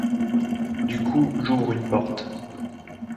Du coup j’ouvre une porte.